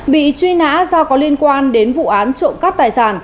bị truy nã do có liên quan đến vụ án trộm cắp tài sản